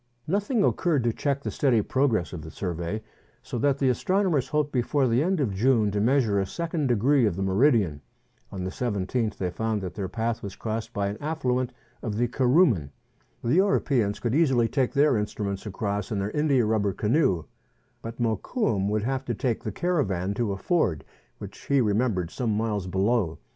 Nothing occurred to check the steady progress of the survey, so that the astronomers hoped before the end of June to measure a second degree of the meridian. On the 17th they found that their path was crossed by an affluent of the Kuruman. The Europeans could easily take their instruments across in their india rubber canoe ; but Mokoum would have to take the caravan to a ford which he remem bered some miles below.